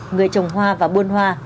người trồng hoa và buôn hoa